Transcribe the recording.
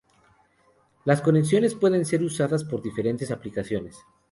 Las conexiones pueden ser usadas por diferentes aplicaciones.